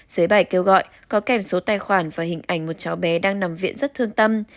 giới bài kêu gọi có kèm số tài khoản và hình ảnh một cháu bé đang nằm viện rất thương tâm